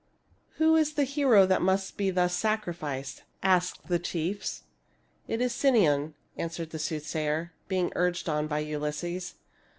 "' Who is the hero that must thus be sacrificed ?' asked the chiefs. "' It is Sinon,' answered the soothsayer, being urged on by Ulysses.